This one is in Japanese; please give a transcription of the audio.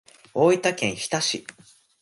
大分県日田市